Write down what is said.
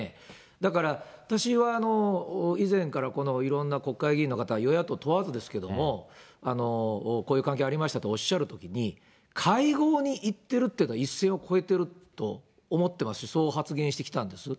だから私は、以前から国会議員の方、与野党問わずですけども、こういう関係がありましたとおっしゃるときに、会合に行ってるっていうことは一線を越えてると思ってます、そう発言してきたんです。